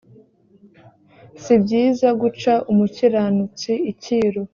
si byiza guca umukiranutsi icyiru